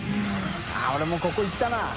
△俺もここ行ったな。